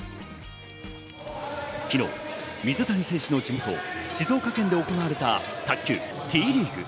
昨日、水谷選手の地元・静岡県で行われた卓球Ｔリーグ。